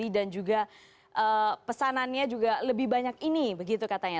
juga pesanannya juga lebih banyak ini begitu katanya